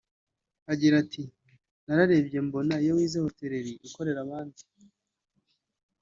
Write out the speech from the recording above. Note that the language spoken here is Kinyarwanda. Agira ati “ Nararebye mbona iyo wize hotereri (hotelerie) ukorera abandi